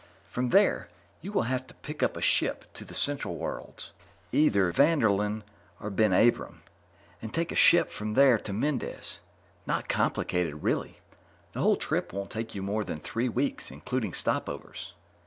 From there, you will have to pick up a ship to the Central Worlds either to Vanderlin or BenAbram and take a ship from there to Mendez. Not complicated, really. The whole trip won't take you more than three weeks, including stopovers."